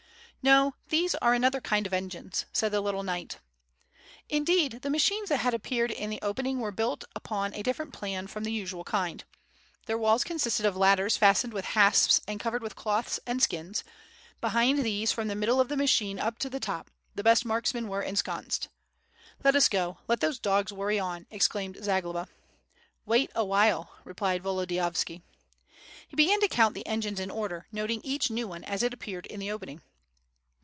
"No, these are another kind of engines," said the little knight. Indeed the machines that had appeared in the opening were built upon a different plan from the usual kind. Their walls consisted of ladders fastened with hasps and covered with cloths and skins; behind these from the middle of the machine up to the top the best marksmen were ensconced. "Let us go, let those dogs worry on," exclaimed Zagloba. "Wait awhile," replied Volodiyovski. He began to count the engines in order, noting each new one as it appeared in the opening.